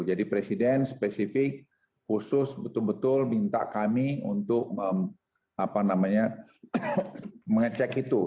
jadi presiden spesifik khusus betul betul minta kami untuk mengecek itu